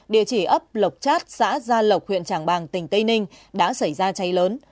địa chỉ ấp lộc chát xã gia lộc huyện tràng bàng tỉnh tây ninh đã xảy ra cháy lớn